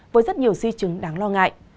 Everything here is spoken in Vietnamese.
với rất nhiều di chứng đáng lo ngại